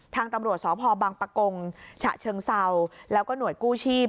ทางตำรวจสพบังปะกงฉะเชิงเซาแล้วก็หน่วยกู้ชีพ